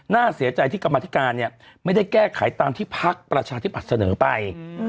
น่าเสียใจที่กรรมธิการเนี่ยไม่ได้แก้ไขตามที่พักประชาธิบัตย์เสนอไป